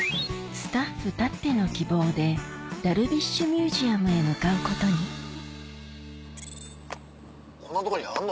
スタッフたっての希望でダルビッシュミュージアムへ向かうことにこんなとこにあんの？